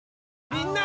みんな！